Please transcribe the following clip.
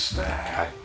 はい。